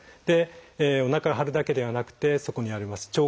でおなかが張るだけではなくてそこにあります